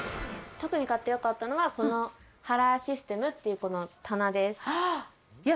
特に買ってよかったのがカラーシステムっていう、この棚です。